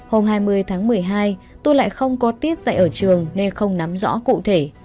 hôm hai mươi tháng một mươi hai tôi lại không có tiết dạy ở trường nên không nắm rõ cụ thể